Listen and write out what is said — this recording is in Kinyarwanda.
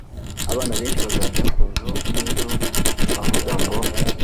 Abana benshi bazajya ku nzu n'inzu bavuga ngo